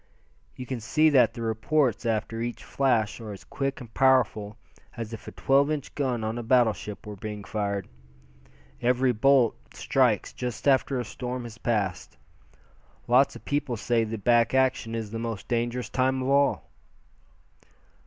"You can see that the reports after each flash are as quick and powerful as if a twelve inch gun on a battleship were being fired. Every bolt strikes just after a storm has passed. Lots of people say the back action is the most dangerous time of all."